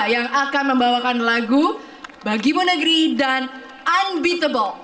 yang akan membawakan lagu bagimu negeri dan unbetable